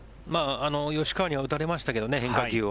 吉川には打たれましたけどね変化球を。